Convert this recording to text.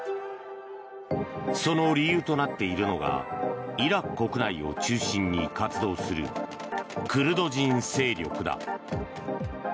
その理由となっているのがイラク国内を中心に活動するクルド人勢力だ。